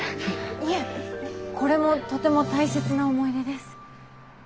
いえこれもとても大切な思い出です。